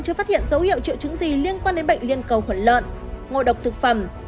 chưa phát hiện dấu hiệu triệu chứng gì liên quan đến bệnh liên cầu khuẩn lợn ngộ độc thực phẩm